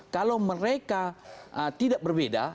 kalau mereka tidak berbeda